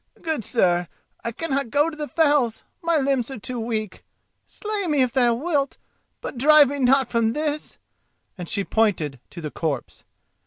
Good sir, I cannot go to the fells, my limbs are too weak. Slay me, if thou wilt, but drive me not from this," and she pointed to the corpse.